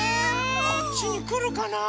こっちにくるかなあ。